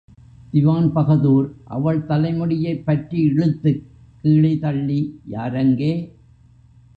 திவான் பகதூர் அவள் தலைமுடியைப்பற்றி இழுத்துக் கீழே தள்ளி யாரங்கே?